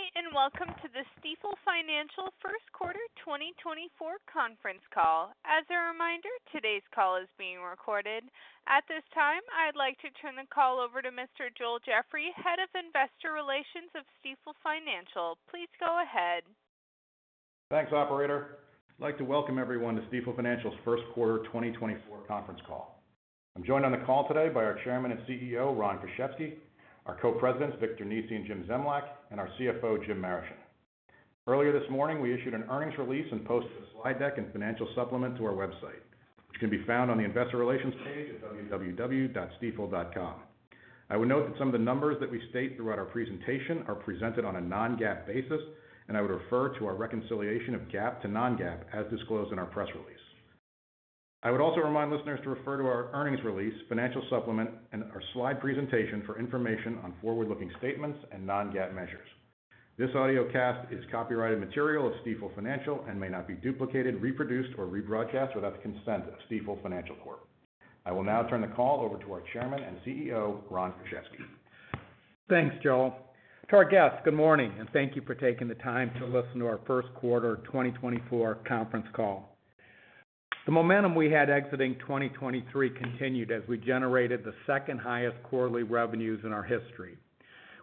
Good day, and welcome to the Stifel Financial First Quarter 2024 Conference Call. As a reminder, today's call is being recorded. At this time, I'd like to turn the call over to Mr. Joel Jeffrey, Head of Investor Relations of Stifel Financial. Please go ahead. Thanks, operator. I'd like to welcome everyone to Stifel Financial's First Quarter 2024 Conference Call. I'm joined on the call today by our Chairman and CEO, Ron Kruszewski, our Co-Presidents, Victor Nesi and Jim Zemlyak, and our CFO, Jim Marischen. Earlier this morning, we issued an earnings release and posted a slide deck and financial supplement to our website, which can be found on the Investor Relations page at www.stifel.com. I would note that some of the numbers that we state throughout our presentation are presented on a non-GAAP basis, and I would refer to our reconciliation of GAAP to non-GAAP as disclosed in our press release. I would also remind listeners to refer to our earnings release, financial supplement, and our slide presentation for information on forward-looking statements and non-GAAP measures. This audiocast is copyrighted material of Stifel Financial and may not be duplicated, reproduced, or rebroadcast without the consent of Stifel Financial Corp. I will now turn the call over to our Chairman and CEO, Ron Kruszewski. Thanks, Joel. To our guests, good morning, and thank you for taking the time to listen to our First Quarter 2024 Conference Call. The momentum we had exiting 2023 continued as we generated the second highest quarterly revenues in our history.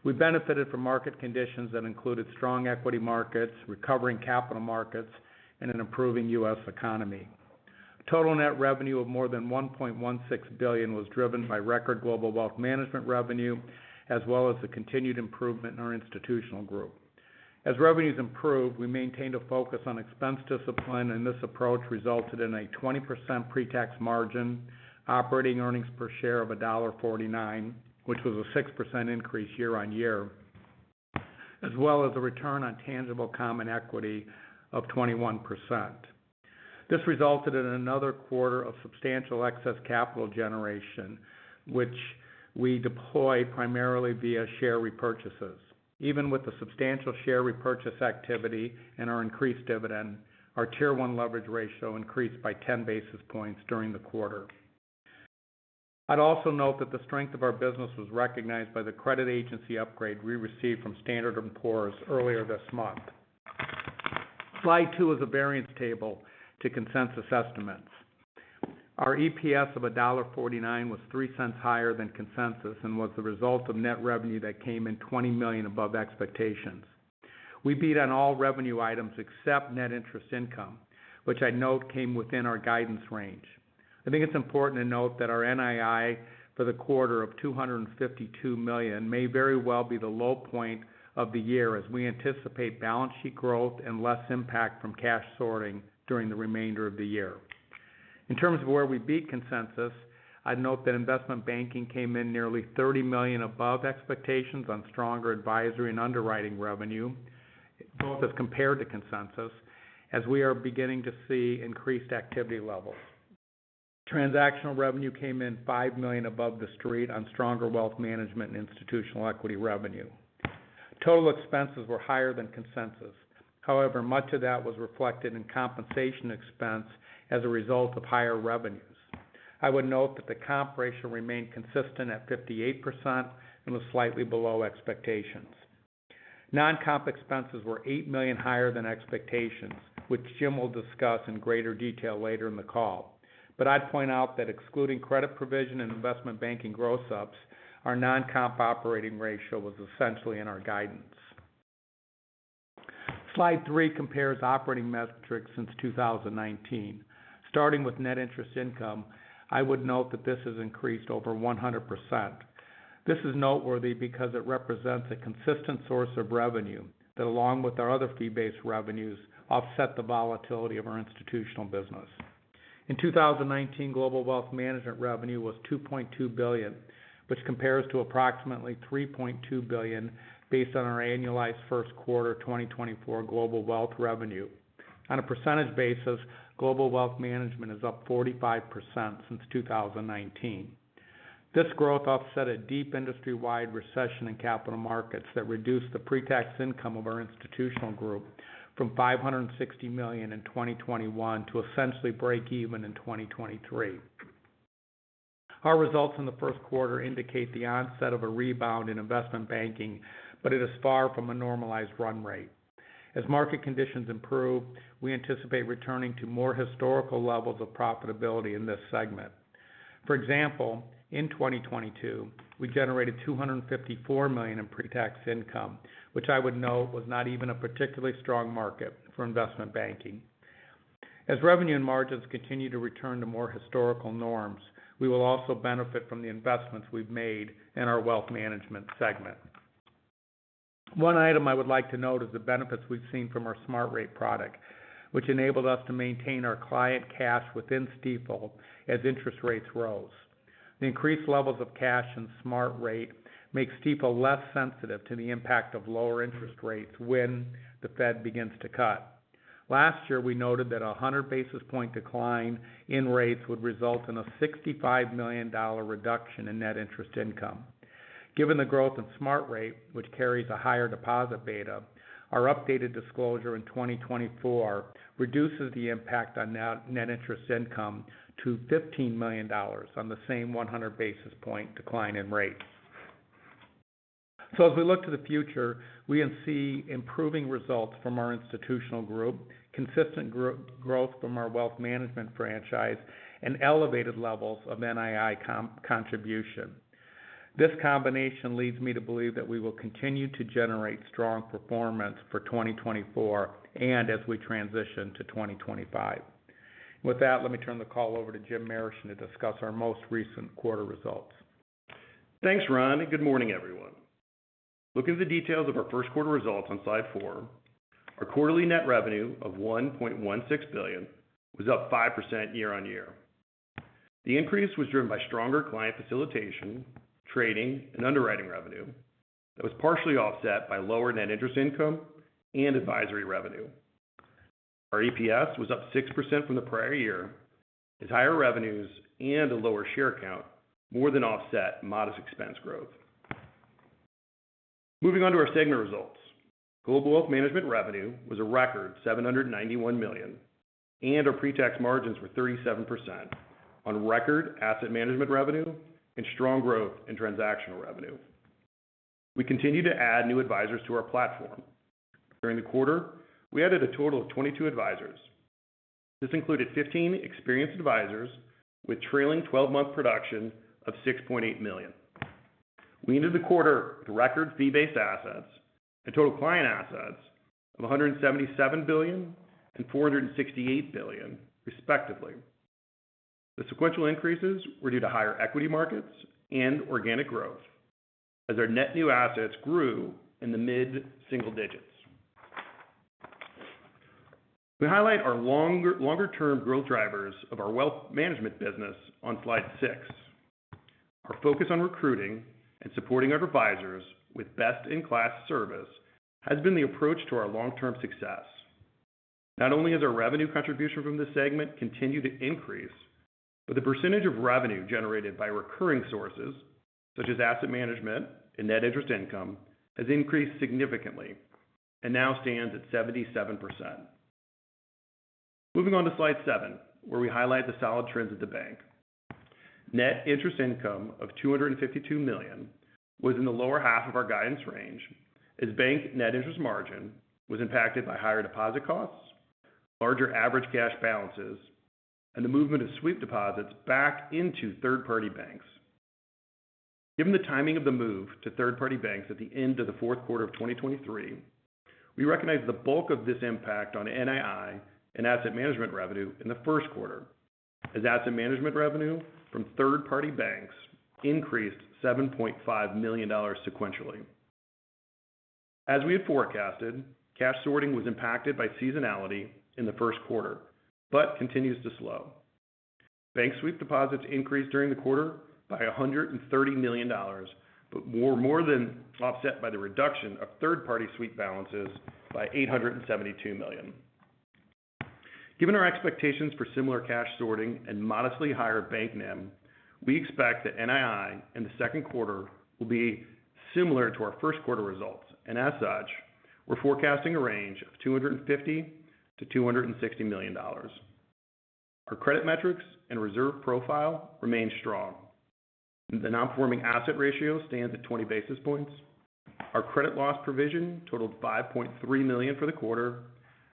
We benefited from market conditions that included strong equity markets, recovering capital markets, and an improving U.S. economy. Total net revenue of more than $1.16 billion was driven by record Global Wealth Management revenue, as well as the continued improvement in our Institutional Group. As revenues improved, we maintained a focus on expense discipline, and this approach resulted in a 20% pre-tax margin, operating earnings per share of $1.49, which was a 6% increase YoY, as well as a return on tangible common equity of 21%. This resulted in another quarter of substantial excess capital generation, which we deploy primarily via share repurchases. Even with the substantial share repurchase activity and our increased dividend, our Tier 1 leverage ratio increased by 10 basis points during the quarter. I'd also note that the strength of our business was recognized by the credit agency upgrade we received from Standard & Poor's earlier this month. Slide two is a variance table to consensus estimates. Our EPS of $1.49 was $0.03 higher than consensus and was the result of net revenue that came in $20 million above expectations. We beat on all revenue items except net interest income, which I note came within our guidance range. I think it's important to note that our NII for the quarter of $252 million may very well be the low point of the year as we anticipate balance sheet growth and less impact from cash sorting during the remainder of the year. In terms of where we beat consensus, I'd note that investment banking came in nearly $30 million above expectations on stronger advisory and underwriting revenue, both as compared to consensus, as we are beginning to see increased activity levels. Transactional revenue came in $5 million above the street on stronger wealth management and institutional equity revenue. Total expenses were higher than consensus. However, much of that was reflected in compensation expense as a result of higher revenues. I would note that the comp ratio remained consistent at 58% and was slightly below expectations. Non-comp expenses were $8 million higher than expectations, which Jim will discuss in greater detail later in the call. But I'd point out that excluding credit provision and investment banking gross-ups, our non-comp operating ratio was essentially in our guidance. Slide three compares operating metrics since 2019. Starting with net interest income, I would note that this has increased over 100%. This is noteworthy because it represents a consistent source of revenue that, along with our other fee-based revenues, offset the volatility of our institutional business. In 2019, Global Wealth Management revenue was $2.2 billion, which compares to approximately $3.2 billion based on our annualized first quarter 2024 global wealth revenue. On a percentage basis, Global Wealth Management is up 45% since 2019. This growth offset a deep industry-wide recession in capital markets that reduced the pre-tax income of our Institutional Group from $560 million in 2021 to essentially break even in 2023. Our results in the first quarter indicate the onset of a rebound in investment banking, but it is far from a normalized run rate. As market conditions improve, we anticipate returning to more historical levels of profitability in this segment. For example, in 2022, we generated $254 million in pre-tax income, which I would note was not even a particularly strong market for investment banking. As revenue and margins continue to return to more historical norms, we will also benefit from the investments we've made in our wealth management segment. One item I would like to note is the benefits we've seen from our Smart Rate product, which enabled us to maintain our client cash within Stifel as interest rates rose. The increased levels of cash in Smart Rate makes Stifel less sensitive to the impact of lower interest rates when the Fed begins to cut. Last year, we noted that a 100 basis point decline in rates would result in a $65 million reduction in net interest income. Given the growth of Smart Rate, which carries a higher deposit beta, our updated disclosure in 2024 reduces the impact on net, net interest income to $15 million on the same 100 basis point decline in rates. So as we look to the future, we can see improving results from our Institutional Group, consistent growth from our wealth management franchise, and elevated levels of NII contribution. This combination leads me to believe that we will continue to generate strong performance for 2024 and as we transition to 2025. With that, let me turn the call over to James Marischen to discuss our most recent quarter results. Thanks, Ron, and good morning, everyone. Looking at the details of our first quarter results on slide four, our quarterly net revenue of $1.16 billion was up 5% YoY. The increase was driven by stronger client facilitation, trading, and underwriting revenue. It was partially offset by lower net interest income and advisory revenue. Our EPS was up 6% from the prior year, as higher revenues and a lower share count more than offset modest expense growth. Moving on to our segment results. Global Wealth Management revenue was a record $791 million, and our pre-tax margins were 37% on record asset management revenue and strong growth in transactional revenue. We continue to add new advisors to our platform. During the quarter, we added a total of 22 advisors. This included 15 experienced advisors with trailing twelve-month production of $6.8 million. We ended the quarter with record fee-based assets and total client assets of $177 billion and $468 billion, respectively. The sequential increases were due to higher equity markets and organic growth, as our net new assets grew in the mid-single digits. We highlight our longer, longer-term growth drivers of our wealth management business on slide six. Our focus on recruiting and supporting our advisors with best-in-class service has been the approach to our long-term success. Not only has our revenue contribution from this segment continued to increase, but the percentage of revenue generated by recurring sources, such as asset management and net interest income, has increased significantly and now stands at 77%. Moving on to slide seven, where we highlight the solid trends at the bank. Net interest income of $252 million was in the lower half of our guidance range, as bank net interest margin was impacted by higher deposit costs, larger average cash balances, and the movement of sweep deposits back into third-party banks. Given the timing of the move to third-party banks at the end of the fourth quarter of 2023, we recognize the bulk of this impact on NII and asset management revenue in the first quarter, as asset management revenue from third-party banks increased $7.5 million sequentially. As we had forecasted, cash sorting was impacted by seasonality in the first quarter, but continues to slow. Bank sweep deposits increased during the quarter by $130 million, but more than offset by the reduction of third-party sweep balances by $872 million. Given our expectations for similar cash sorting and modestly higher bank NIM, we expect that NII in the second quarter will be similar to our first quarter results, and as such, we're forecasting a range of $250 million-$260 million. Our credit metrics and reserve profile remain strong. The non-performing asset ratio stands at 20 basis points. Our credit loss provision totaled $5.3 million for the quarter,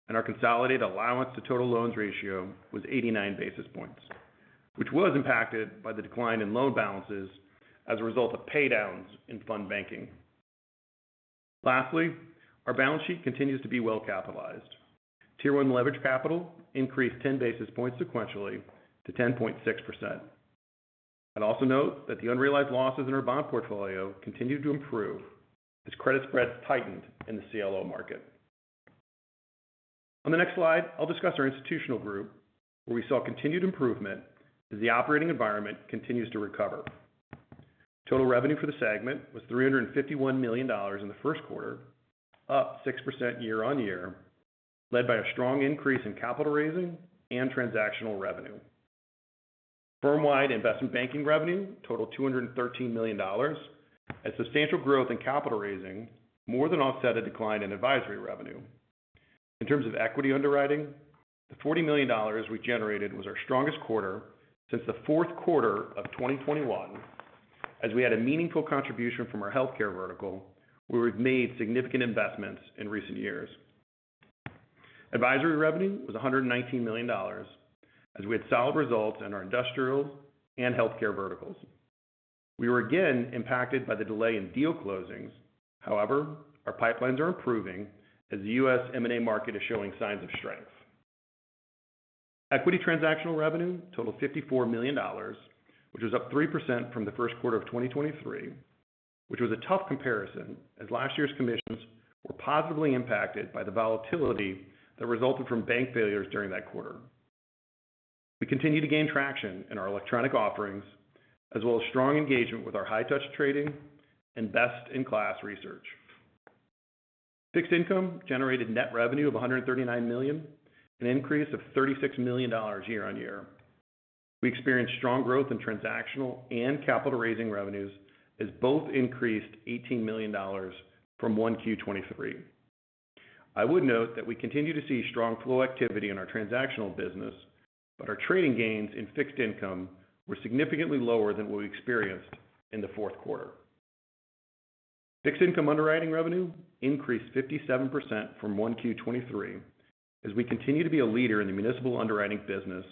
and our consolidated allowance to total loans ratio was 89 basis points, which was impacted by the decline in loan balances as a result of paydowns in fund banking. Lastly, our balance sheet continues to be well capitalized. Tier one leverage capital increased 10 basis points sequentially to 10.6%. I'd also note that the unrealized losses in our bond portfolio continued to improve as credit spreads tightened in the CLO market. On the next slide, I'll discuss our Institutional Group, where we saw continued improvement as the operating environment continues to recover. Total revenue for the segment was $351 million in the first quarter, up 6% YoY, led by a strong increase in capital raising and transactional revenue. Firm-wide investment banking revenue totaled $213 million, as substantial growth in capital raising more than offset a decline in advisory revenue. In terms of equity underwriting, the $40 million we generated was our strongest quarter since the fourth quarter of 2021, as we had a meaningful contribution from our healthcare vertical, where we've made significant investments in recent years. Advisory revenue was $119 million, as we had solid results in our industrial and healthcare verticals. We were again impacted by the delay in deal closings. However, our pipelines are improving as the U.S. M&A market is showing signs of strength. Equity transactional revenue totaled $54 million, which was up 3% from the first quarter of 2023, which was a tough comparison, as last year's commissions were positively impacted by the volatility that resulted from bank failures during that quarter. We continue to gain traction in our electronic offerings, as well as strong engagement with our high touch trading and best-in-class research. Fixed income generated net revenue of $139 million, an increase of $36 million YoY. We experienced strong growth in transactional and capital raising revenues, as both increased $18 million from 1Q 2023.... I would note that we continue to see strong flow activity in our transactional business, but our trading gains in fixed income were significantly lower than what we experienced in the fourth quarter. Fixed income underwriting revenue increased 57% from 1Q 2023, as we continue to be a leader in the municipal underwriting business,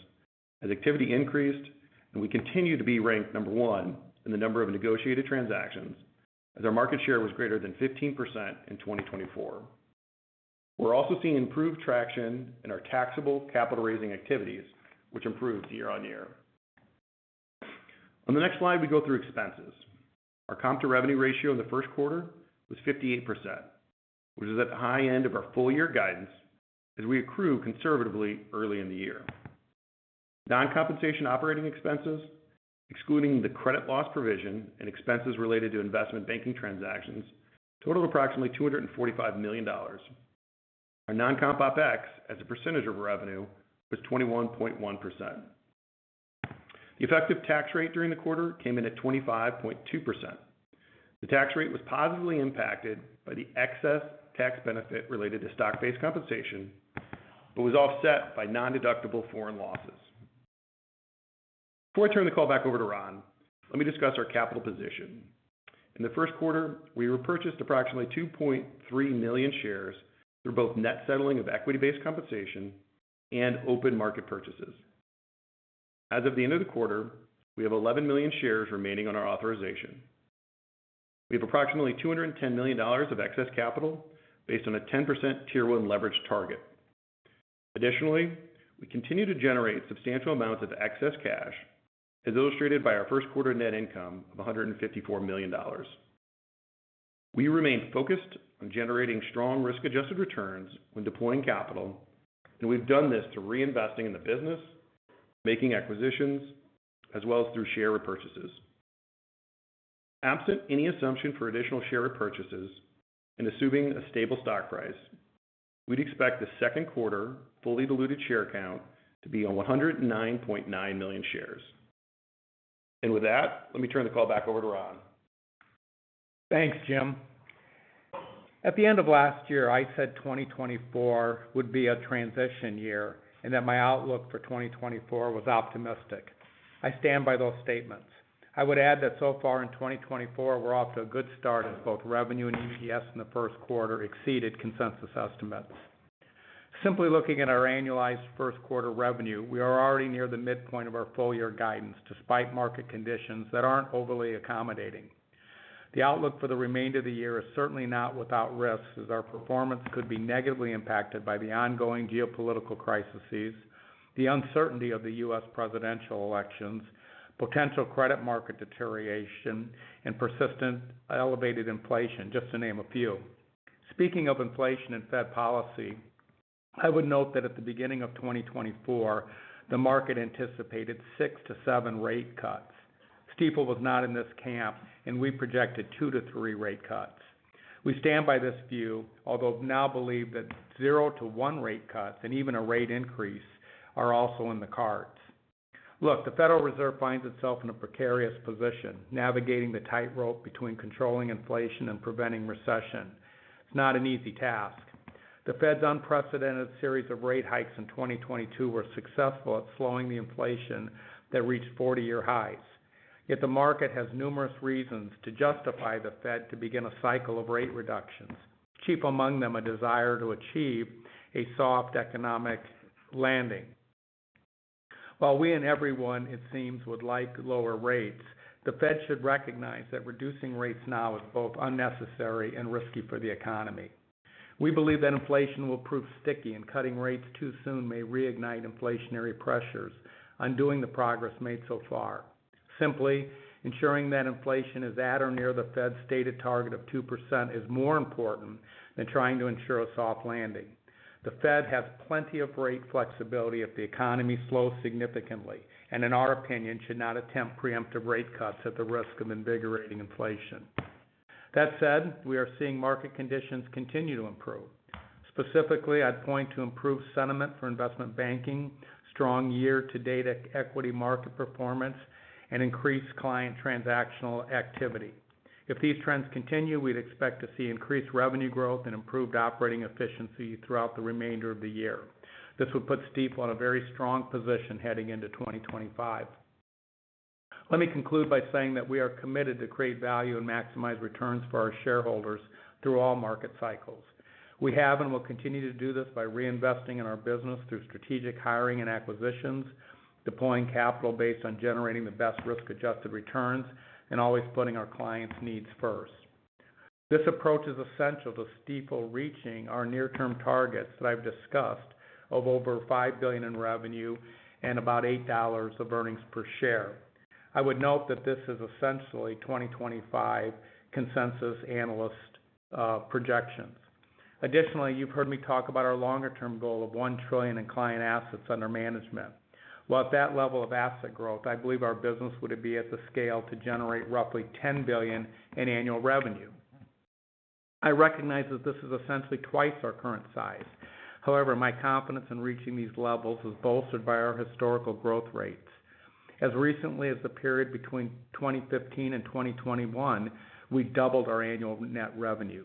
as activity increased, and we continue to be ranked number 1 in the number of negotiated transactions, as our market share was greater than 15% in 2024. We're also seeing improved traction in our taxable capital-raising activities, which improved YoY. On the next slide, we go through expenses. Our comp-to-revenue ratio in the first quarter was 58%, which is at the high end of our full-year guidance, as we accrue conservatively early in the year. Non-compensation operating expenses, excluding the credit loss provision and expenses related to investment banking transactions, totaled approximately $245 million. Our non-comp OpEx, as a percentage of revenue, was 21.1%. The effective tax rate during the quarter came in at 25.2%. The tax rate was positively impacted by the excess tax benefit related to stock-based compensation, but was offset by nondeductible foreign losses. Before I turn the call back over to Ron, let me discuss our capital position. In the first quarter, we repurchased approximately 2.3 million shares through both net settling of equity-based compensation and open market purchases. As of the end of the quarter, we have 11 million shares remaining on our authorization. We have approximately $210 million of excess capital based on a 10% Tier 1 leverage target. Additionally, we continue to generate substantial amounts of excess cash, as illustrated by our first quarter net income of $154 million. We remain focused on generating strong risk-adjusted returns when deploying capital, and we've done this through reinvesting in the business, making acquisitions, as well as through share repurchases. Absent any assumption for additional share repurchases and assuming a stable stock price, we'd expect the second quarter fully diluted share count to be on 109.9 million shares. With that, let me turn the call back over to Ron. Thanks, Jim. At the end of last year, I said 2024 would be a transition year and that my outlook for 2024 was optimistic. I stand by those statements. I would add that so far in 2024, we're off to a good start, as both revenue and EPS in the first quarter exceeded consensus estimates. Simply looking at our annualized first quarter revenue, we are already near the midpoint of our full-year guidance, despite market conditions that aren't overly accommodating. The outlook for the remainder of the year is certainly not without risks, as our performance could be negatively impacted by the ongoing geopolitical crises, the uncertainty of the U.S. presidential elections, potential credit market deterioration, and persistent elevated inflation, just to name a few. Speaking of inflation and Fed policy, I would note that at the beginning of 2024, the market anticipated six to seven rate cuts. Stifel was not in this camp, and we projected two to three rate cuts. We stand by this view, although now believe that zero to one rate cuts and even a rate increase are also in the cards. Look, the Federal Reserve finds itself in a precarious position, navigating the tightrope between controlling inflation and preventing recession. It's not an easy task. The Fed's unprecedented series of rate hikes in 2022 were successful at slowing the inflation that reached 40-year highs. Yet the market has numerous reasons to justify the Fed to begin a cycle of rate reductions, chief among them a desire to achieve a soft economic landing. While we and everyone, it seems, would like lower rates, the Fed should recognize that reducing rates now is both unnecessary and risky for the economy. We believe that inflation will prove sticky, and cutting rates too soon may reignite inflationary pressures, undoing the progress made so far. Simply, ensuring that inflation is at or near the Fed's stated target of 2% is more important than trying to ensure a soft landing. The Fed has plenty of rate flexibility if the economy slows significantly, and in our opinion, should not attempt preemptive rate cuts at the risk of invigorating inflation. That said, we are seeing market conditions continue to improve. Specifically, I'd point to improved sentiment for investment banking, strong year-to-date equity market performance, and increased client transactional activity. If these trends continue, we'd expect to see increased revenue growth and improved operating efficiency throughout the remainder of the year. This would put Stifel in a very strong position heading into 2025. Let me conclude by saying that we are committed to create value and maximize returns for our shareholders through all market cycles. We have and will continue to do this by reinvesting in our business through strategic hiring and acquisitions, deploying capital based on generating the best risk-adjusted returns, and always putting our clients' needs first. This approach is essential to Stifel reaching our near-term targets that I've discussed of over $5 billion in revenue and about $8 of earnings per share. I would note that this is essentially 2025 consensus analyst projections. Additionally, you've heard me talk about our longer-term goal of $1 trillion in client assets under management. Well, at that level of asset growth, I believe our business would be at the scale to generate roughly $10 billion in annual revenue. I recognize that this is essentially twice our current size. However, my confidence in reaching these levels is bolstered by our historical growth rates, as recently as the period between 2015 and 2021, we've doubled our annual net revenue.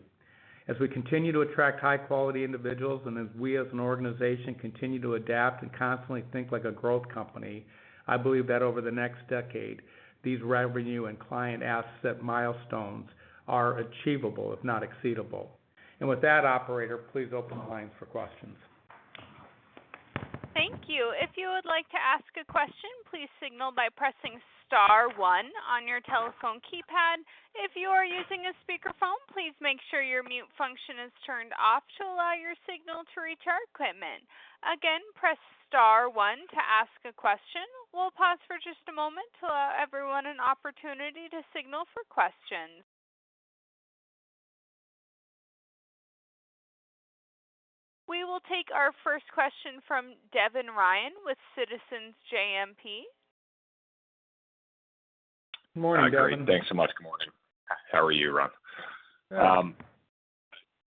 As we continue to attract high-quality individuals, and as we as an organization continue to adapt and constantly think like a growth company, I believe that over the next decade, these revenue and client asset milestones are achievable, if not exceedable. And with that, operator, please open the lines for questions. Thank you. If you would like to ask a question, please signal by pressing star one on your telephone keypad. If you are using a speakerphone, please make sure your mute function is turned off to allow your signal to reach our equipment. Again, press star one to ask a question. We'll pause for just a moment to allow everyone an opportunity to signal for questions. We will take our first question from Devin Ryan with Citizens JMP. Morning, Devin. Thanks so much. Good morning. How are you, Ron?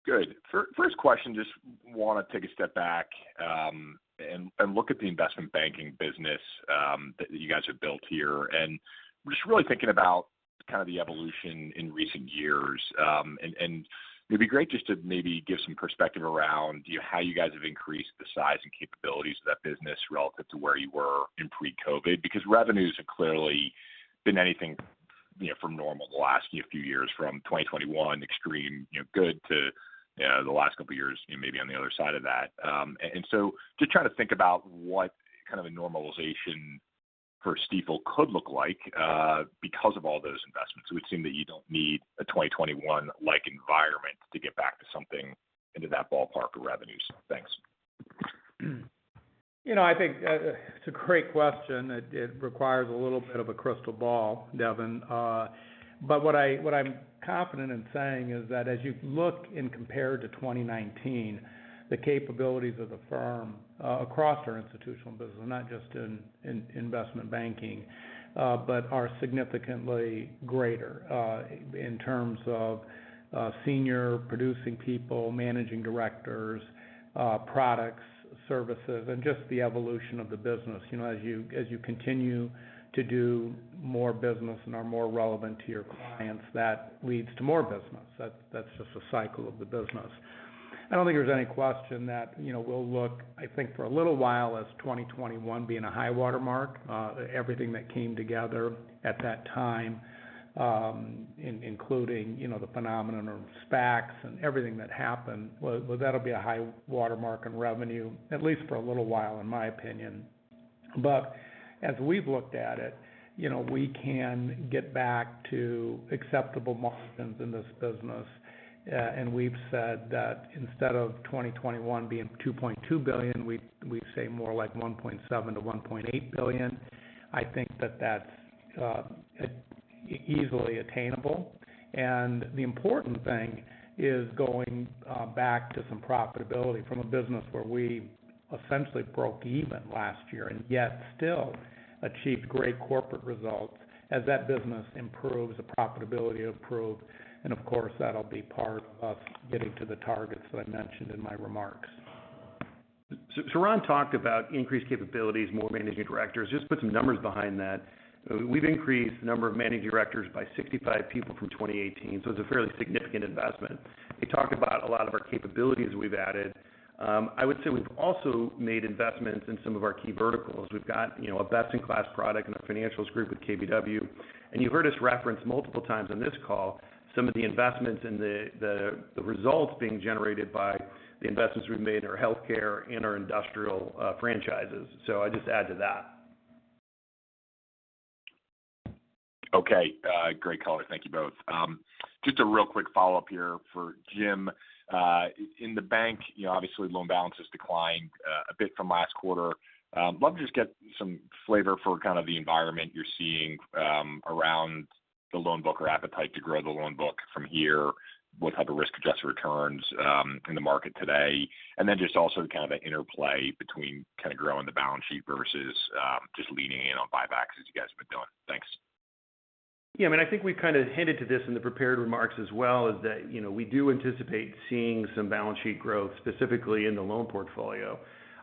Good. First question, just wanna take a step back, and look at the investment banking business that you guys have built here. And just really thinking about kind of the evolution in recent years. And it'd be great just to maybe give some perspective around, you know, how you guys have increased the size and capabilities of that business relative to where you were in pre-COVID, because revenues have clearly been anything, you know, from normal the last few years, from 2021, extreme, you know, good to, the last couple of years, maybe on the other side of that. And so just trying to think about what kind of a normalization for Stifel could look like, because of all those investments. It would seem that you don't need a 2021-like environment to get back to something into that ballpark of revenue. So thanks. You know, I think it's a great question. It requires a little bit of a crystal ball, Devin. But what I'm confident in saying is that as you look and compare to 2019, the capabilities of the firm across our institutional business, not just in investment banking, but are significantly greater in terms of senior producing people, managing directors, products, services, and just the evolution of the business. You know, as you continue to do more business and are more relevant to your clients, that leads to more business. That's just the cycle of the business. I don't think there's any question that, you know, we'll look, I think, for a little while, as 2021 being a high watermark. Everything that came together at that time, including, you know, the phenomenon of SPACs and everything that happened, well, that'll be a high watermark in revenue, at least for a little while, in my opinion. But as we've looked at it, you know, we can get back to acceptable margins in this business, and we've said that instead of 2021 being $2.2 billion, we say more like $1.7 billion-$1.8 billion. I think that's easily attainable. And the important thing is going back to some profitability from a business where we essentially broke even last year, and yet still achieved great corporate results. As that business improves, the profitability improved, and of course, that'll be part of getting to the targets that I mentioned in my remarks. So Ron talked about increased capabilities, more managing directors. Just put some numbers behind that. We've increased the number of managing directors by 65 people from 2018, so it's a fairly significant investment. He talked about a lot of our capabilities we've added. I would say we've also made investments in some of our key verticals. We've got, you know, a best-in-class product in our financials group with KBW, and you heard us reference multiple times on this call, some of the investments and the results being generated by the investments we've made in our healthcare and our industrial franchises. So I just add to that. Okay, great color. Thank you both. Just a real quick follow-up here for Jim. In the bank, you know, obviously, loan balances declined a bit from last quarter. Love to just get some flavor for kind of the environment you're seeing around the loan book or appetite to grow the loan book from here, what type of risk-adjusted returns in the market today. And then just also kind of the interplay between kind of growing the balance sheet versus just leaning in on buybacks as you guys have been doing. Thanks. Yeah, I mean, I think we've kind of hinted to this in the prepared remarks as well, is that, you know, we do anticipate seeing some balance sheet growth, specifically in the loan portfolio.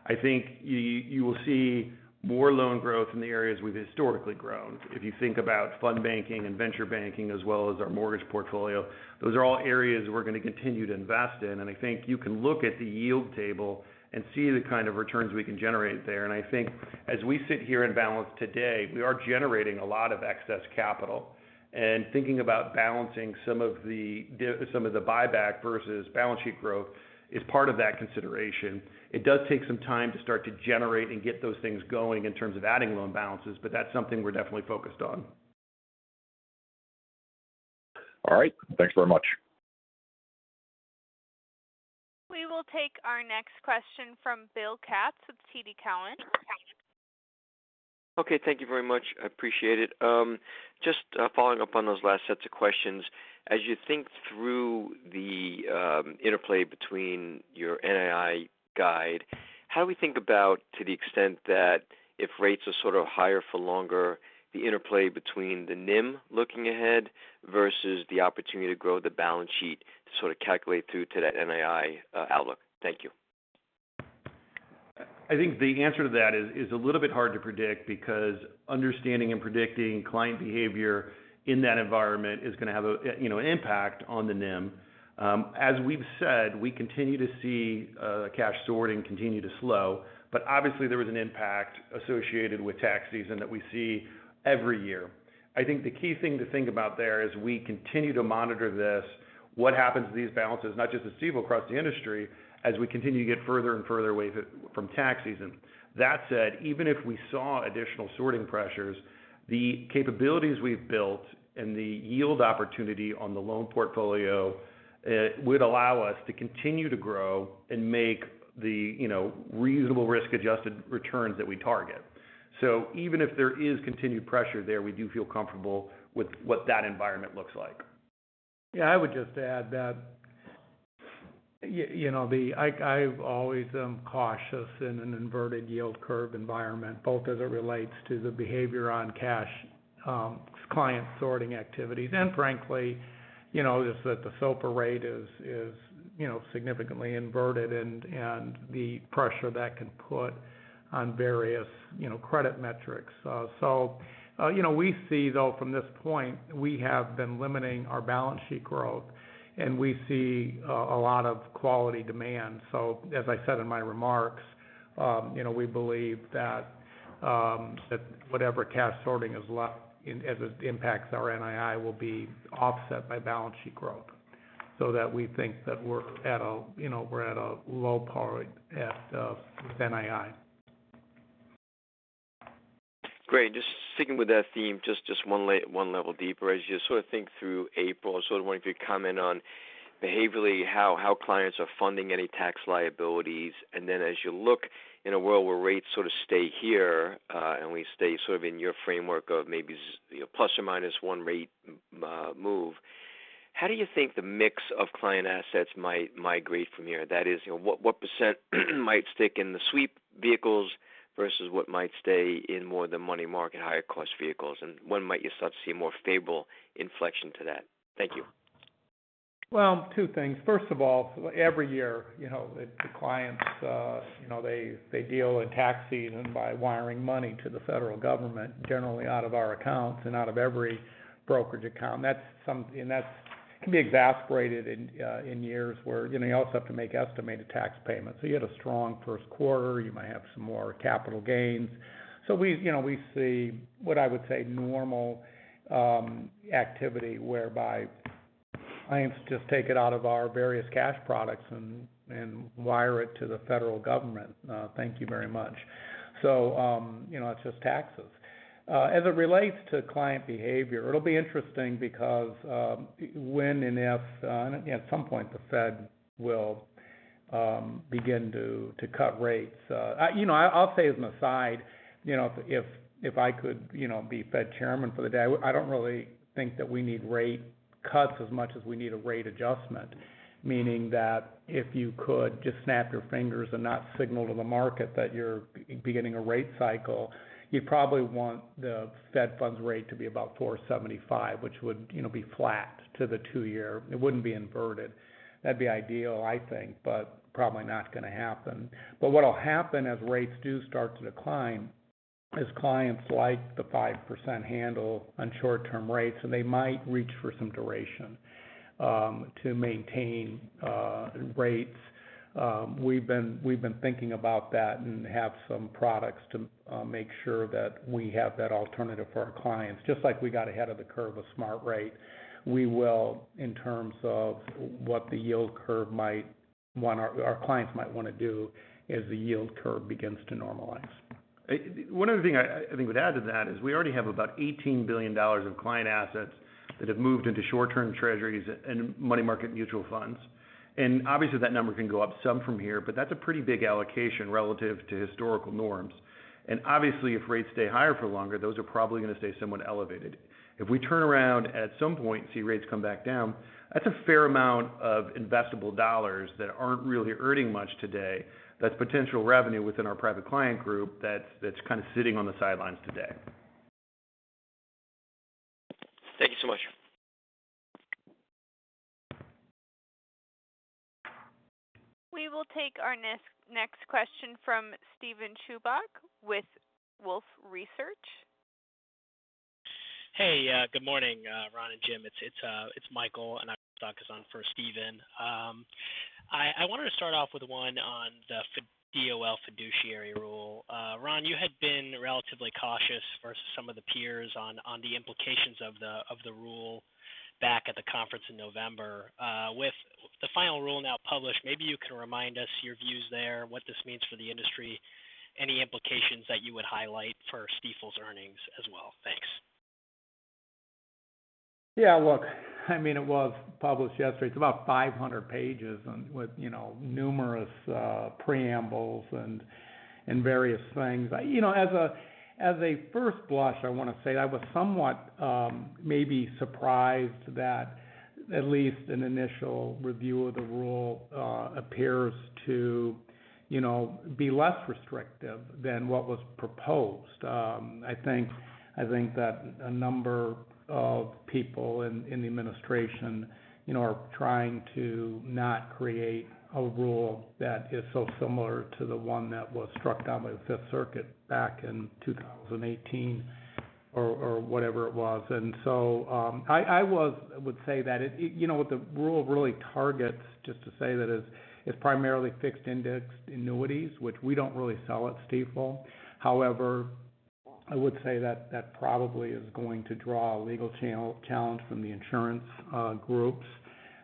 I think you, you will see more loan growth in the areas we've historically grown. If you think about fund banking and venture banking, as well as our mortgage portfolio, those are all areas we're going to continue to invest in, and I think you can look at the yield table and see the kind of returns we can generate there. And I think as we sit here in balance today, we are generating a lot of excess capital. And thinking about balancing some of the buyback versus balance sheet growth is part of that consideration. It does take some time to start to generate and get those things going in terms of adding loan balances, but that's something we're definitely focused on. All right. Thanks very much. We will take our next question from Bill Katz with TD Cowen. Okay, thank you very much. I appreciate it. Just, following up on those last sets of questions. As you think through the interplay between your NII guide, how do we think about, to the extent that if rates are sort of higher for longer, the interplay between the NIM looking ahead versus the opportunity to grow the balance sheet to sort of calculate through to that NII, outlook? Thank you. ... I think the answer to that is a little bit hard to predict, because understanding and predicting client behavior in that environment is gonna have a, you know, impact on the NIM. As we've said, we continue to see cash sorting continue to slow, but obviously, there was an impact associated with tax season that we see every year. I think the key thing to think about there is we continue to monitor this, what happens to these balances, not just at Stifel, across the industry, as we continue to get further and further away from tax season. That said, even if we saw additional sorting pressures, the capabilities we've built and the yield opportunity on the loan portfolio would allow us to continue to grow and make the, you know, reasonable risk-adjusted returns that we target. Even if there is continued pressure there, we do feel comfortable with what that environment looks like. Yeah, I would just add that, you know, I've always am cautious in an inverted yield curve environment, both as it relates to the behavior on cash, client sorting activities, and frankly, you know, that the SOFR rate is, you know, significantly inverted and the pressure that can put on various, you know, credit metrics. So, you know, we see, though, from this point, we have been limiting our balance sheet growth, and we see a lot of quality demand. So as I said in my remarks, you know, we believe that whatever cash sorting is left, as it impacts our NII, will be offset by balance sheet growth, so that we think that we're at a, you know, we're at a low point at with NII. Great. Just sticking with that theme, just one level deeper. As you sort of think through April, I sort of want you to comment on behaviorally how clients are funding any tax liabilities. And then as you look in a world where rates sort of stay here and we stay sort of in your framework of maybe SOFR plus or minus one rate move, how do you think the mix of client assets might migrate from here? That is, you know, what percent might stick in the sweep vehicles versus what might stay in more the money market, higher cost vehicles, and when might you start to see a more stable inflection to that? Thank you. Well, two things. First of all, every year, you know, the clients, you know, they, they deal in tax season by wiring money to the federal government, generally out of our accounts and out of every brokerage account. That's and that's can be exacerbated in years where, you know, you also have to make estimated tax payments. So you had a strong first quarter, you might have some more capital gains. So we, you know, we see what I would say, normal activity, whereby clients just take it out of our various cash products and wire it to the federal government. Thank you very much. So, you know, it's just taxes. As it relates to client behavior, it'll be interesting because, when and if, at some point, the Fed will begin to cut rates. you know, I'll say as an aside, you know, if I could, you know, be Fed chairman for the day, I don't really think that we need rate cuts as much as we need a rate adjustment. Meaning that if you could just snap your fingers and not signal to the market that you're beginning a rate cycle, you probably want the Fed funds rate to be about 4.75, which would, you know, be flat to the two-year. It wouldn't be inverted. That'd be ideal, I think, but probably not gonna happen. But what will happen as rates do start to decline, is clients like the 5% handle on short-term rates, and they might reach for some duration, to maintain, rates. We've been thinking about that and have some products to make sure that we have that alternative for our clients, just like we got ahead of the curve of Smart Rate. We will, in terms of what the yield curve might want, our clients might want to do as the yield curve begins to normalize. One other thing I, I think would add to that is, we already have about $18 billion of client assets that have moved into short-term treasuries and money market mutual funds. And obviously, that number can go up some from here, but that's a pretty big allocation relative to historical norms. And obviously, if rates stay higher for longer, those are probably going to stay somewhat elevated. If we turn around at some point and see rates come back down, that's a fair amount of investable dollars that aren't really earning much today. That's potential revenue within our private client group, that's, that's kind of sitting on the sidelines today. Thank you so much. We will take our next question from Steven Chubak with Wolfe Research. Hey, good morning, Ron and Jim. It's Michael Anagnostakis on for Steven. I wanted to start off with one on the DOL fiduciary rule. Ron, you had been relatively cautious versus some of the peers on the implications of the rule back at the conference in November. With the final rule now published, maybe you can remind us your views there, what this means for the industry, any implications that you would highlight for Stifel's earnings as well? Thanks. Yeah, look, I mean, it was published yesterday. It's about 500 pages and with, you know, numerous preambles and various things. You know, as a first blush, I want to say I was somewhat maybe surprised that at least an initial review of the rule appears to, you know, be less restrictive than what was proposed. I think that a number of people in the administration, you know, are trying to not create a rule that is so similar to the one that was struck down by the Fifth Circuit back in 2018... or whatever it was. And so, I would say that it, you know, what the rule really targets, just to say that it's primarily fixed indexed annuities, which we don't really sell at Stifel. However, I would say that that probably is going to draw a legal challenge from the insurance groups.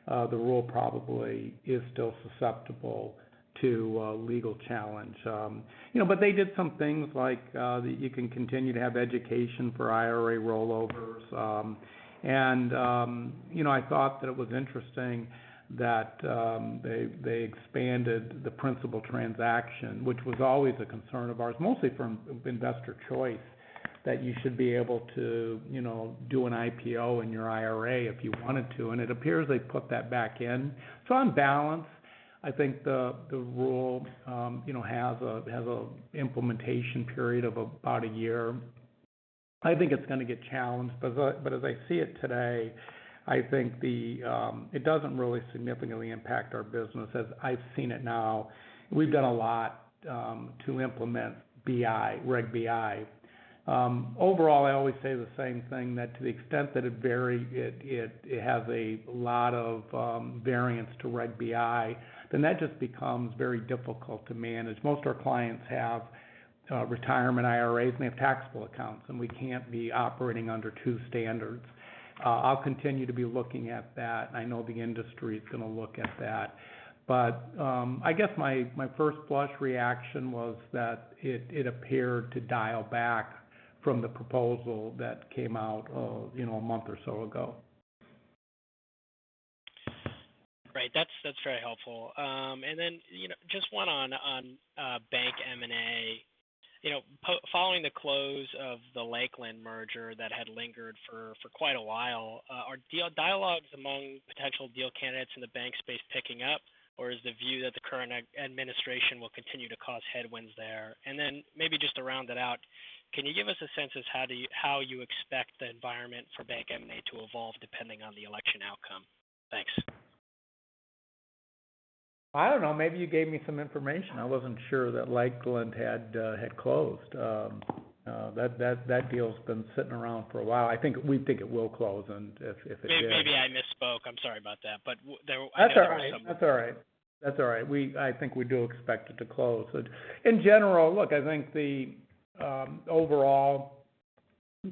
The rule probably is still susceptible to legal challenge. You know, but they did some things like that you can continue to have education for IRA rollovers. And you know, I thought that it was interesting that they expanded the principal transaction, which was always a concern of ours, mostly from investor choice, that you should be able to, you know, do an IPO in your IRA if you wanted to, and it appears they put that back in. So on balance, I think the rule has a implementation period of about a year. I think it's gonna get challenged. But as I see it today, I think it doesn't really significantly impact our business as I've seen it now. We've done a lot to implement BI, Reg BI. Overall, I always say the same thing, that to the extent that it vary, has a lot of variance to Reg BI, then that just becomes very difficult to manage. Most of our clients have retirement IRAs, and they have taxable accounts, and we can't be operating under two standards. I'll continue to be looking at that, and I know the industry is gonna look at that. But I guess my first blush reaction was that it appeared to dial back from the proposal that came out, you know, a month or so ago. Great. That's, that's very helpful. And then, you know, just one on, on, bank M&A. You know, following the close of the Lakeland merger that had lingered for, for quite a while, are deal dialogues among potential deal candidates in the bank space picking up? Or is the view that the current administration will continue to cause headwinds there? And then maybe just to round it out, can you give us a sense of how you expect the environment for bank M&A to evolve depending on the election outcome? Thanks. I don't know. Maybe you gave me some information. I wasn't sure that Lakeland had had closed. That deal's been sitting around for a while. I think, we think it will close, and if it didn't- Maybe I misspoke. I'm sorry about that, but That's all right. That's all right. That's all right. We, I think we do expect it to close. So in general, look, I think the overall,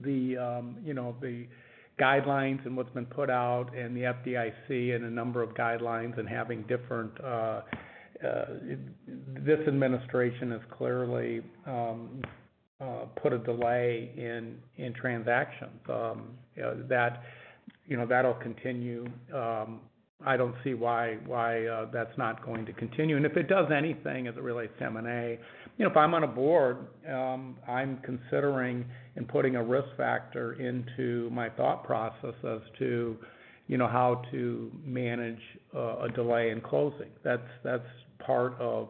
the, you know, the guidelines and what's been put out and the FDIC and a number of guidelines and having different. This administration has clearly put a delay in, in transactions. You know, that, you know, that'll continue. I don't see why, why, that's not going to continue. And if it does anything as it relates to M&A, you know, if I'm on a board, I'm considering and putting a risk factor into my thought process as to, you know, how to manage, a delay in closing. That's, that's part of,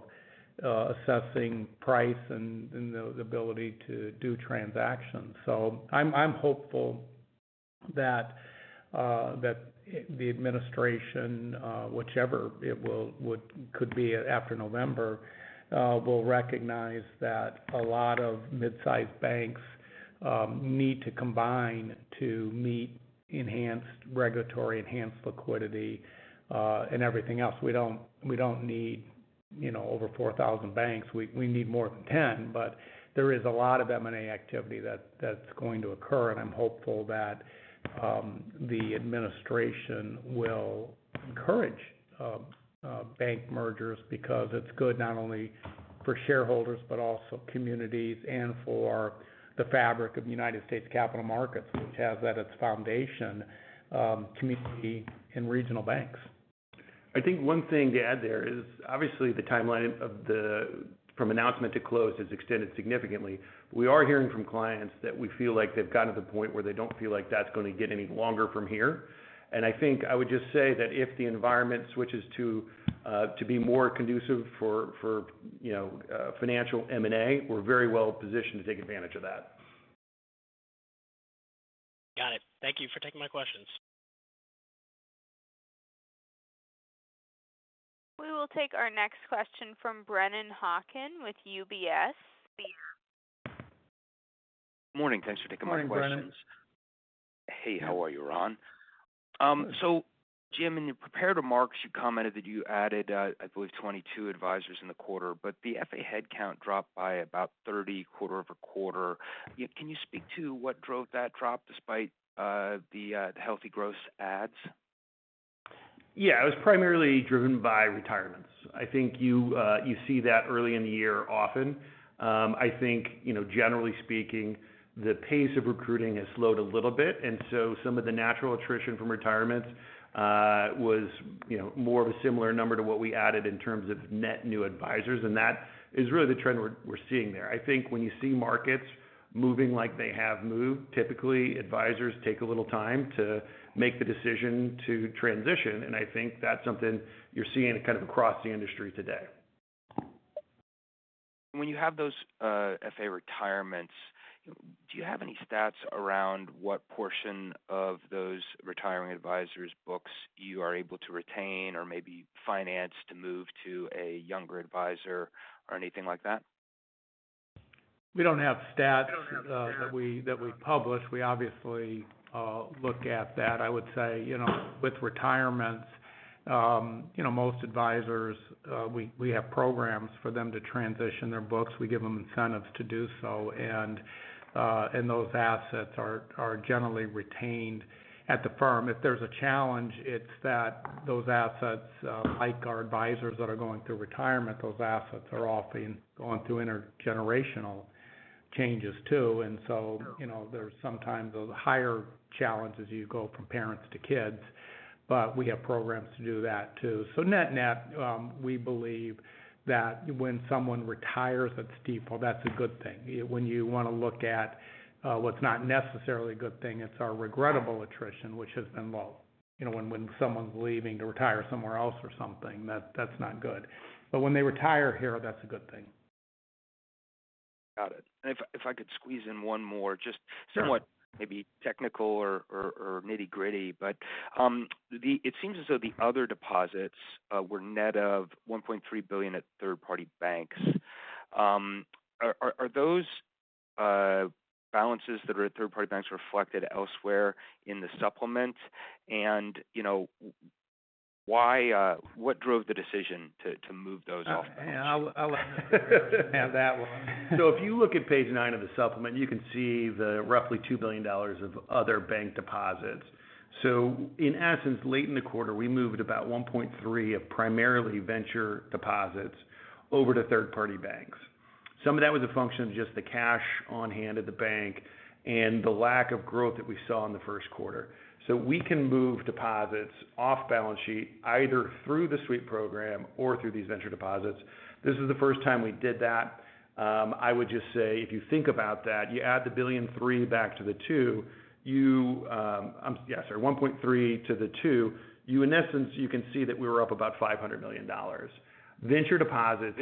assessing price and, and the ability to do transactions. So I'm hopeful that the administration, whichever it will be after November, will recognize that a lot of mid-sized banks need to combine to meet enhanced regulatory, enhanced liquidity, and everything else. We don't need, you know, over 4,000 banks. We need more than 10, but there is a lot of M&A activity that's going to occur, and I'm hopeful that the administration will encourage bank mergers because it's good not only for shareholders, but also communities and for the fabric of the United States capital markets, which have at its foundation community and regional banks. I think one thing to add there is, obviously, the timeline of the from announcement to close has extended significantly. We are hearing from clients that we feel like they've gotten to the point where they don't feel like that's going to get any longer from here. And I think I would just say that if the environment switches to to be more conducive for for you know financial M&A, we're very well positioned to take advantage of that. Got it. Thank you for taking my questions. We will take our next question from Brennan Hawken with UBS. Morning. Thanks for taking my questions. Morning, Brennan. Hey, how are you, Ron? So Jim, in your prepared remarks, you commented that you added, I believe, 22 advisors in the quarter, but the FA headcount dropped by about 30 QoQ. Can you speak to what drove that drop despite the healthy growth adds? Yeah, it was primarily driven by retirements. I think you see that early in the year often. I think, you know, generally speaking, the pace of recruiting has slowed a little bit, and so some of the natural attrition from retirements was, you know, more of a similar number to what we added in terms of net new advisors, and that is really the trend we're seeing there. I think when you see markets moving like they have moved, typically, advisors take a little time to make the decision to transition, and I think that's something you're seeing kind of across the industry today. When you have those FA retirements, do you have any stats around what portion of those retiring advisors' books you are able to retain or maybe finance to move to a younger advisor or anything like that?... We don't have stats that we publish. We obviously look at that. I would say, you know, with retirements, you know, most advisors, we have programs for them to transition their books. We give them incentives to do so, and those assets are generally retained at the firm. If there's a challenge, it's that those assets like our advisors that are going through retirement, those assets are often going through intergenerational changes, too. And so, you know, there's sometimes those higher challenges as you go from parents to kids, but we have programs to do that, too. So net-net, we believe that when someone retires at Stifel, that's a good thing. When you want to look at what's not necessarily a good thing, it's our regrettable attrition, which has been low. You know, when, when someone's leaving to retire somewhere else or something, that's, that's not good. But when they retire here, that's a good thing. Got it. And if I could squeeze in one more, just- Sure. Somewhat technical or nitty-gritty, but it seems as though the other deposits were net of $1.3 billion at third-party banks. Are those balances that are at third-party banks reflected elsewhere in the supplement? And you know, why what drove the decision to move those off balance? Yeah, I'll have that one. So if you look at page nine of the supplement, you can see the roughly $2 billion of other bank deposits. So in essence, late in the quarter, we moved about $1.3 billion of primarily venture deposits over to third-party banks. Some of that was a function of just the cash on hand at the bank and the lack of growth that we saw in the first quarter. So we can move deposits off balance sheet, either through the suite program or through these venture deposits. This is the first time we did that. I would just say, if you think about that, you add the $1.3 billion back to the $2 billion, you, yes, or $.3 million to the $2 million, you in essence, you can see that we were up about $500 million. Venture deposits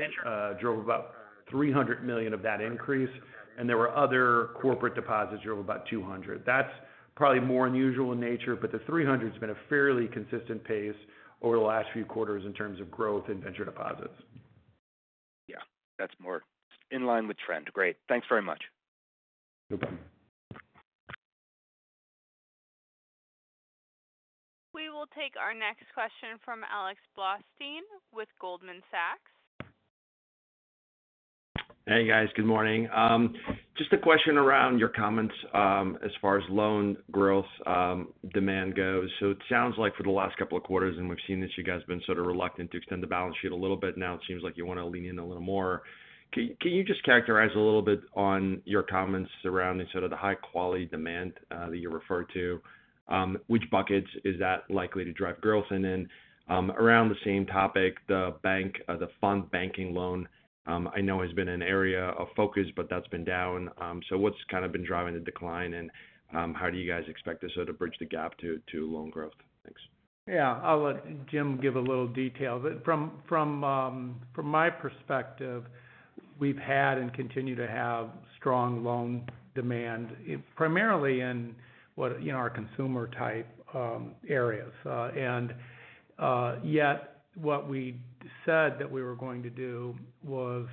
drove about $300 million of that increase, and there were other corporate deposits drove about $200 million. That's probably more unusual in nature, but the $300's been a fairly consistent pace over the last few quarters in terms of growth in venture deposits. Yeah, that's more in line with trend. Great. Thanks very much. You're welcome. We will take our next question from Alex Blostein with Goldman Sachs. Hey, guys, good morning. Just a question around your comments, as far as loan growth demand goes. So it sounds like for the last couple of quarters, and we've seen this, you guys have been sort of reluctant to extend the balance sheet a little bit. Now, it seems like you want to lean in a little more. Can you just characterize a little bit on your comments around instead of the high quality demand that you referred to? Which buckets is that likely to drive growth in? Around the same topic, the bank, the fund banking loan, I know has been an area of focus, but that's been down. So what's kind of been driving the decline, and how do you guys expect this sort of bridge the gap to loan growth? Thanks. Yeah. I'll let Jim give a little detail. But from my perspective, we've had and continue to have strong loan demand, primarily in what, you know, our consumer type areas. And yet what we said that we were going to do was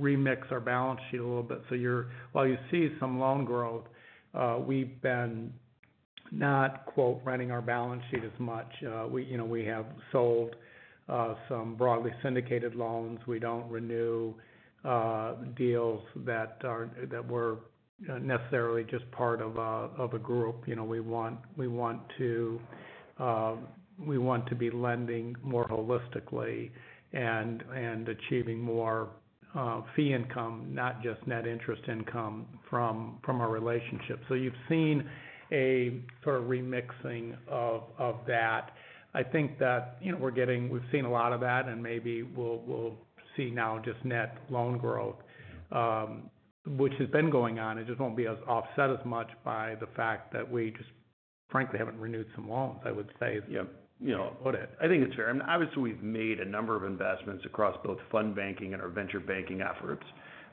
remix our balance sheet a little bit. So you're - while you see some loan growth, we've been not, quote, "running our balance sheet as much." We, you know, we have sold some broadly syndicated loans. We don't renew deals that are - that we're necessarily just part of a group. You know, we want to be lending more holistically and achieving more fee income, not just net interest income from our relationships. So you've seen a sort of remixing of that. I think that, you know, we're getting, we've seen a lot of that, and maybe we'll see now just net loan growth, which has been going on. It just won't be as offset as much by the fact that we just, frankly, haven't renewed some loans, I would say. Yeah. You know, I think it's fair. And obviously, we've made a number of investments across both fund banking and our venture banking efforts,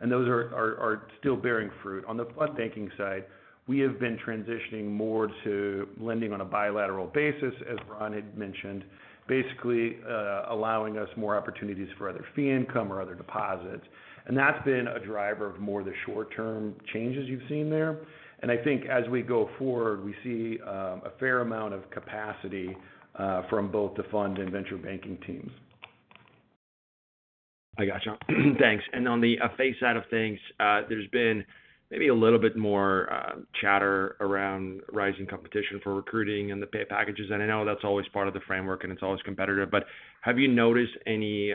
and those are still bearing fruit. On the fund banking side, we have been transitioning more to lending on a bilateral basis, as Ron had mentioned, basically, allowing us more opportunities for other fee income or other deposits. And that's been a driver of more of the short-term changes you've seen there. And I think as we go forward, we see a fair amount of capacity from both the fund and venture banking teams. I got you. Thanks. And on the FA/IC side of things, there's been maybe a little bit more chatter around rising competition for recruiting and the pay packages, and I know that's always part of the framework, and it's always competitive, but have you noticed any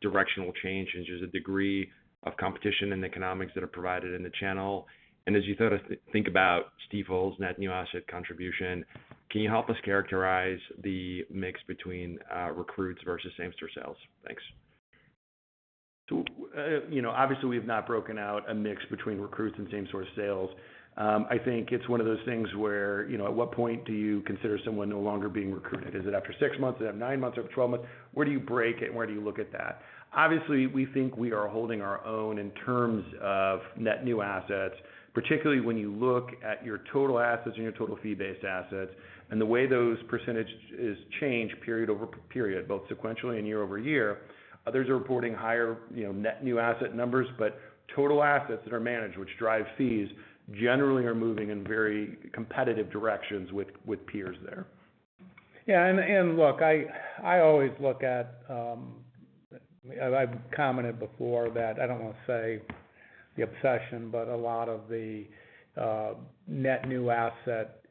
directional change in just the degree of competition and economics that are provided in the channel? And as you sort of think about Stifel's net new asset contribution, can you help us characterize the mix between recruits versus same store sales? Thanks. So, you know, obviously, we've not broken out a mix between recruits and same store sales. I think it's one of those things where, you know, at what point do you consider someone no longer being recruited? Is it after six months, is it after nine months, or twelve months? Where do you break it, and where do you look at that? Obviously, we think we are holding our own in terms of net new assets, particularly when you look at your total assets and your total fee-based assets, and the way those percentages change period over period, both sequentially and YoY.... others are reporting higher, you know, net new asset numbers, but total assets that are managed, which drive fees, generally are moving in very competitive directions with, with peers there. Yeah, and look, I always look at, I've commented before that I don't want to say the obsession, but a lot of the net new asset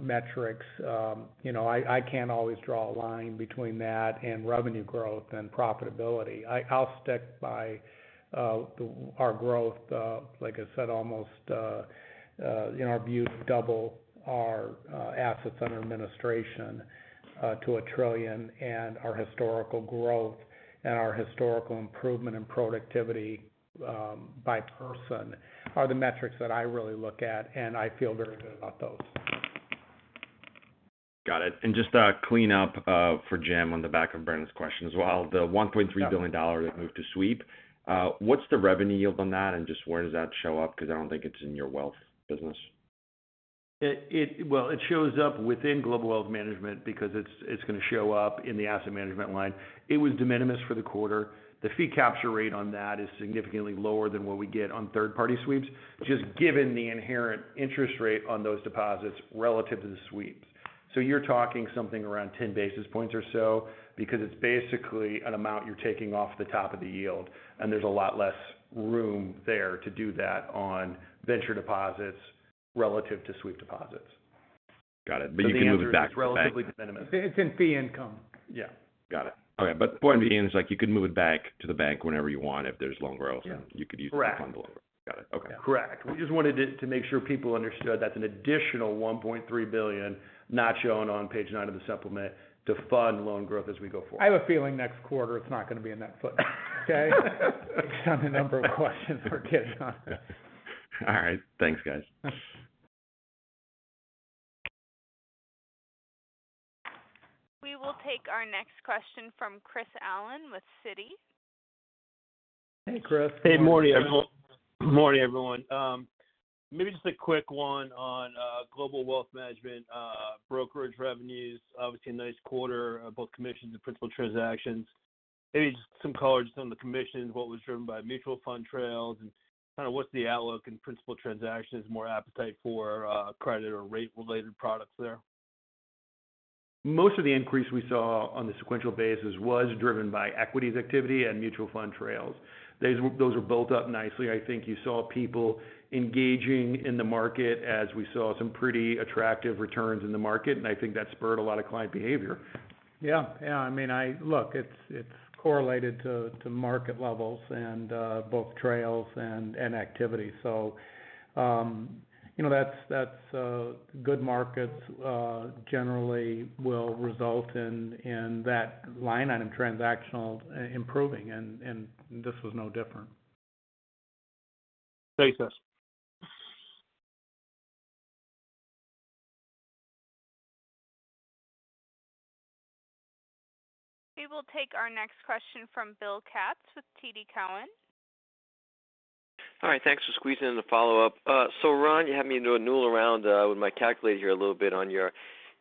metrics, you know, I can't always draw a line between that and revenue growth and profitability. I'll stick by our growth, like I said, almost, in our view, double our assets under administration to $1 trillion, and our historical growth and our historical improvement in productivity by person are the metrics that I really look at, and I feel very good about those. Got it. And just to clean up, for Jim on the back of Brennan's question as well, the $1.3 billion that moved to sweep, what's the revenue yield on that, and just where does that show up? Because I don't think it's in your wealth business. Well, it shows up within Global Wealth Management because it's gonna show up in the asset management line. It was de minimis for the quarter. The fee capture rate on that is significantly lower than what we get on third-party sweeps, just given the inherent interest rate on those deposits relative to the sweeps. So you're talking something around 10 basis points or so because it's basically an amount you're taking off the top of the yield, and there's a lot less room there to do that on venture deposits relative to sweep deposits. Got it. But you can move it back to the bank? It's relatively de minimis. It's in fee income. Yeah. Got it. Okay, but point being, is like you can move it back to the bank whenever you want if there's loan growth- Yeah. and you could use the funding there. Correct. Got it. Okay. Correct. We just wanted it to make sure people understood that's an additional $1.3 billion not shown on page nine of the supplement to fund loan growth as we go forward. I have a feeling next quarter, it's not going to be in that boat, okay? Based on the number of questions we're getting on. All right. Thanks, guys. We will take our next question from Chris Allen with Citi. Hey, Chris. Hey, morning, everyone. Morning, everyone. Maybe just a quick one on Global Wealth Management brokerage revenues. Obviously, a nice quarter both commissions and principal transactions. Maybe just some color just on the commissions, what was driven by mutual fund trails, and kind of what's the outlook in principal transactions, more appetite for credit or rate-related products there? Most of the increase we saw on the sequential basis was driven by equities activity and mutual fund trails. Those, those were built up nicely. I think you saw people engaging in the market as we saw some pretty attractive returns in the market, and I think that spurred a lot of client behavior. Yeah. Yeah, I mean, I... Look, it's correlated to market levels and both trails and activity. So, you know, that's good markets generally will result in that line item, transactional improving, and this was no different. Thanks guys. We will take our next question from Bill Katz with TD Cowen. All right, thanks for squeezing in the follow-up. So Ron, you had me do a noodle around with my calculator here a little bit on your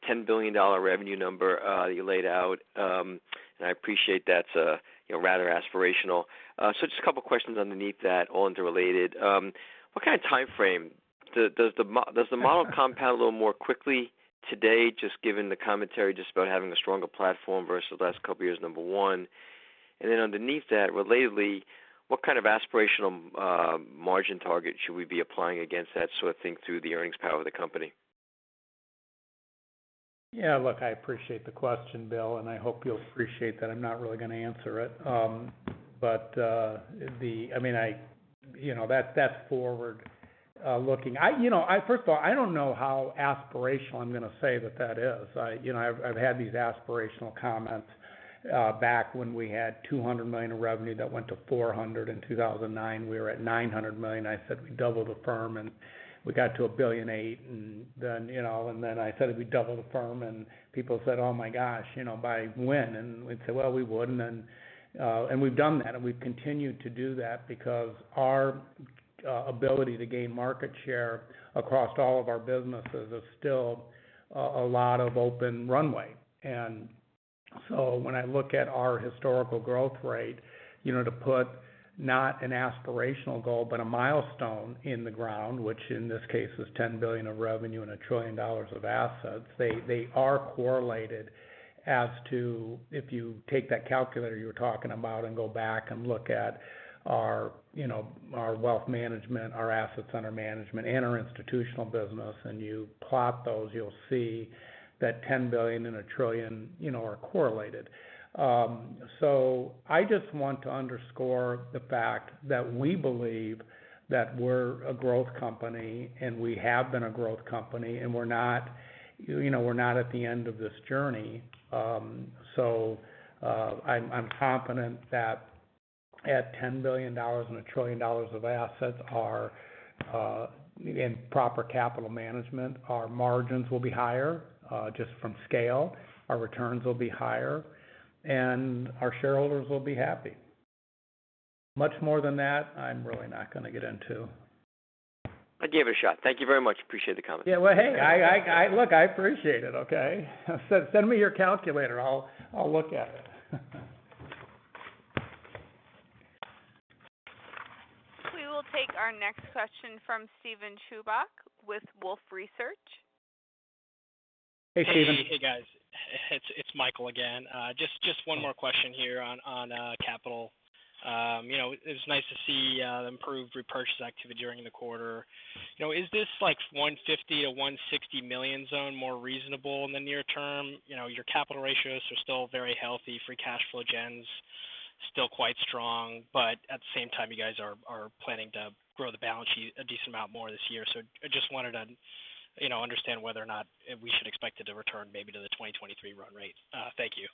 $10 billion revenue number you laid out. And I appreciate that's, you know, rather aspirational. So just a couple of questions underneath that, all interrelated. What kind of timeframe? Does the model compound a little more quickly today, just given the commentary just about having a stronger platform versus the last couple of years, number one. And then underneath that, relatedly, what kind of aspirational margin target should we be applying against that sort of thing through the earnings power of the company? Yeah, look, I appreciate the question, Bill, and I hope you'll appreciate that I'm not really going to answer it. But I mean, you know, that's forward-looking. You know, I first of all don't know how aspirational I'm going to say that that is. You know, I've had these aspirational comments back when we had $200 million in revenue that went to $400 million. In 2009, we were at $900 million. I said we doubled the firm and we got to $1.8 billion. And then, you know, and then I said we doubled the firm, and people said, "Oh, my gosh, you know, by when?" And we'd say, "Well, we wouldn't." And, and we've done that, and we've continued to do that because our, ability to gain market share across all of our businesses is still, a lot of open runway. And so when I look at our historical growth rate, you know, to put not an aspirational goal, but a milestone in the ground, which in this case is $10 billion of revenue and $1 trillion of assets, they are correlated as to if you take that calculator you were talking about and go back and look at our, you know, our wealth management, our assets under management, and our institutional business, and you plot those, you'll see that $10 billion and $1 trillion, you know, are correlated. So I just want to underscore the fact that we believe that we're a growth company, and we have been a growth company, and we're not, you know, we're not at the end of this journey. So, I'm confident that at $10 billion and $1 trillion of assets are in proper capital management, our margins will be higher, just from scale. Our returns will be higher, and our shareholders will be happy. Much more than that, I'm really not gonna get into. I gave a shot. Thank you very much. Appreciate the comment. Yeah, well, hey, look, I appreciate it, okay? Send me your calculator. I'll look at it. We will take our next question from Steven Chubak with Wolfe Research. Hey, Steven. Hey, guys. It's Michael again. Just one more question here on capital. You know, it's nice to see the improved repurchase activity during the quarter. You know, is this like $150 million-$160 million zone more reasonable in the near term? You know, your capital ratios are still very healthy, free cash flow gen's still quite strong, but at the same time, you guys are planning to grow the balance sheet a decent amount more this year. So I just wanted to, you know, understand whether or not we should expect it to return maybe to the 2023 run rate. Thank you.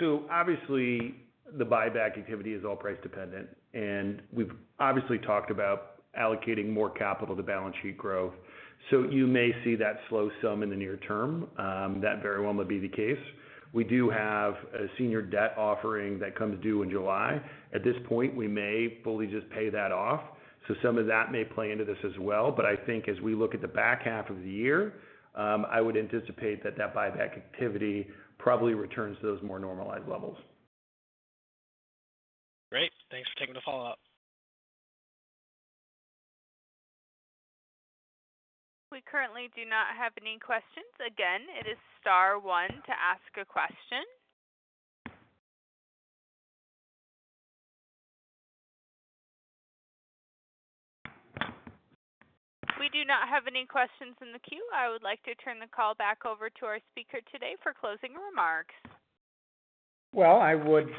So, obviously, the buyback activity is all price dependent, and we've obviously talked about allocating more capital to balance sheet growth. So you may see that slow some in the near term. That very well may be the case. We do have a senior debt offering that comes due in July. At this point, we may fully just pay that off. So some of that may play into this as well. But I think as we look at the back half of the year, I would anticipate that that buyback activity probably returns to those more normalized levels. Great. Thanks for taking the follow-up. We currently do not have any questions. Again, it is star one to ask a question. We do not have any questions in the queue. I would like to turn the call back over to our speaker today for closing remarks. Well, I would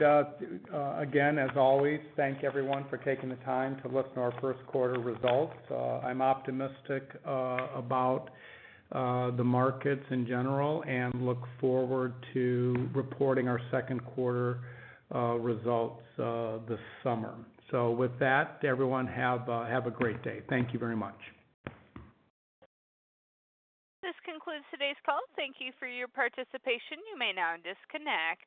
again, as always, thank everyone for taking the time to listen to our first quarter results. I'm optimistic about the markets in general and look forward to reporting our second quarter results this summer. So with that, everyone, have a great day. Thank you very much. This concludes today's call. Thank you for your participation. You may now disconnect.